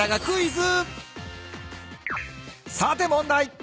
さて問題。